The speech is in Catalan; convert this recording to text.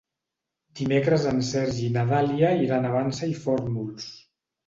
Dimecres en Sergi i na Dàlia iran a la Vansa i Fórnols.